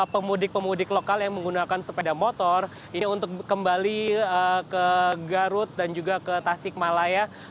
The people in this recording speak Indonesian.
pemudik pemudik lokal yang menggunakan sepeda motor ini untuk kembali ke garut dan juga ke tasik malaya